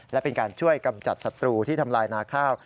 และเป็นการช่วยกำจัดศัตรูที่ทำลายนาข้าว